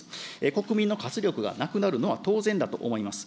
国民の活力がなくなるのは当然だと思います。